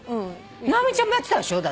直美ちゃんもやってたでしょ？